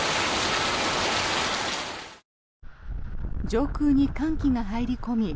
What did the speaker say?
上空に寒気が入り込み